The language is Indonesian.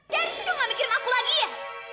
daddy sudah gak mikirin aku lagi ya